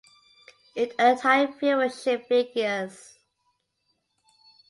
It earned high viewership figures.